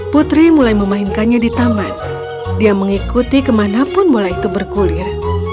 putri mulai memainkannya di taman dia mengikuti kemanapun bola itu bergulir